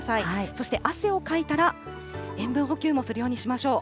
そして汗をかいたら塩分補給もするようにしましょう。